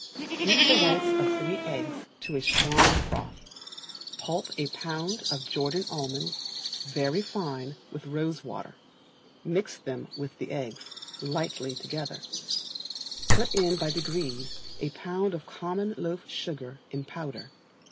Beat the whites of three eggs to a strong froth, pulp a pound of Jordan almonds very fine with rose water, mix them, with the eggs, lightly together; put in by degrees a pound of common loaf sugar in powder.